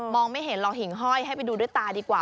ไม่เห็นลองหิ่งห้อยให้ไปดูด้วยตาดีกว่า